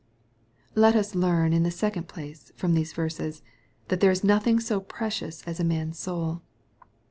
Let us learn, in the second place, from these verses, that there is nothing so precious as a man's soul.